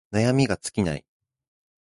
悩みが尽きない